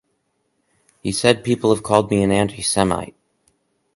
He said People have called me an anti-Semite.